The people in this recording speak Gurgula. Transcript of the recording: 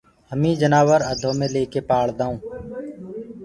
همي جنآور اڌو مي ليڪي پآݪدآئونٚ